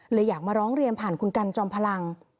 อยากมาร้องเรียนผ่านคุณกันจอมพลัง